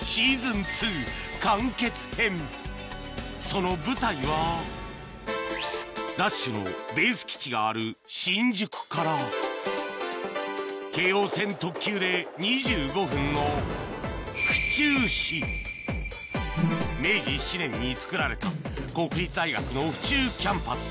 その舞台は『ＤＡＳＨ‼』のベース基地がある新宿から京王線特急で２５分の明治７年に造られた国立大学の府中キャンパス